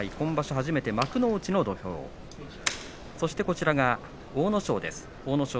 初めて幕内の土俵そして阿武咲です。